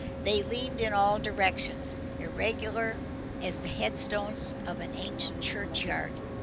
They leaned in all directions, irregular as the headstones in an ancient churchyard.